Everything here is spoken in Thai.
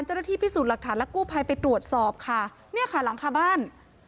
เจ้าหน้าที่พิสูจน์หลักฐานและกู้ภัยไปตรวจสอบค่ะเนี่ยค่ะหลังคาบ้าน